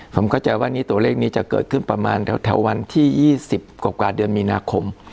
ผมเข้าใจว่านี่ตัวเลขนี้จะเกิดขึ้นประมาณแถววันที่๒๐กว่าเดือนมีนาคม